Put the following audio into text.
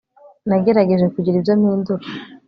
Nagerageje kugira ibyo mpindura